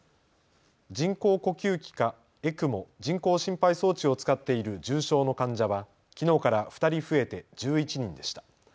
人工呼吸器かＥＣＭＯ・人工心肺装置を使っている重症の患者はきのうから２人増えて１１人でした。